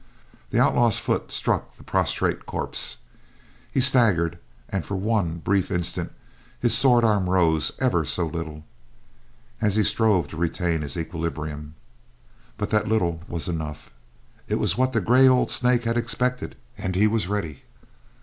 The outlaw's foot struck the prostrate corpse; he staggered, and for one brief instant his sword arm rose, ever so little, as he strove to retain his equilibrium; but that little was enough. It was what the gray old snake had expected, and he was ready.